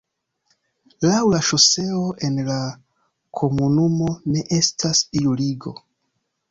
Laŭ la ŝoseo en la komunumo ne estas iu ligo.